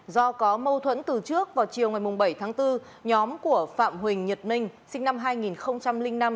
do có mâu thuẫn từ trước vào chiều ngày bảy tháng bốn nhóm của phạm huỳnh nhật minh sinh năm hai nghìn năm